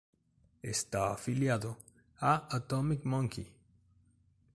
Está afiliado a Atomic Monkey.